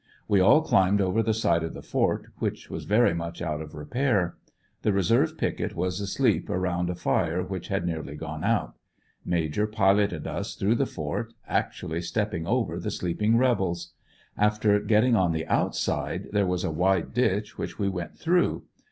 We all climbed over the side of the fort, which was very 138 FINAL ESCAPE mucli out of repair. The reserve picket was asleep around a fire which had nearly gone out. Major piloted us through the fort, actually stepping over the sleeping rebels. After getting on the outside there was a wide ditch which we went through.